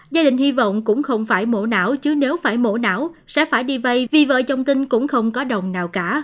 gia đình hy vọng cũng không phải mẫu não chứ nếu phải mổ não sẽ phải đi vây vì vợ chồng kinh cũng không có đồng nào cả